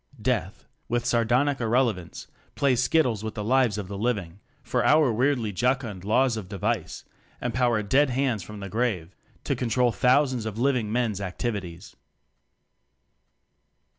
Death, with sardonic irrelevance, plays skittles with the lives of the living; for our weirdly jocund "laws of devise" empower dead hands from the grave to control thousands of living men's activities.